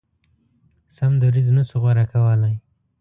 سم دریځ نه شو غوره کولای.